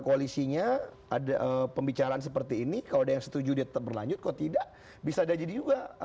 koalisinya ada pembicaraan seperti ini kalau ada yang setuju dia tetap berlanjut kok tidak bisa dia jadi juga